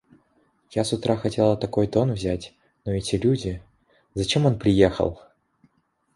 Я с утра хотела такой тон взять, но эти люди... Зачем он приехал?